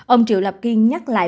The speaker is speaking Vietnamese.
ông triệu lập kiên nhắc lại